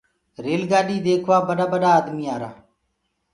ريل گآڏي ديکوآ ٻڏآ ڀڏآ آدمي آرآ۔